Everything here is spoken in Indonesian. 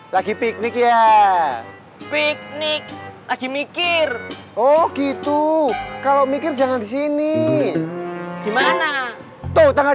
lagi piknik ya piknik lagi mikir oh gitu kalau mikir jangan di sini gimana tuh tanggal